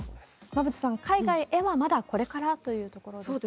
馬渕さん、海外へはまだこれからというところですね。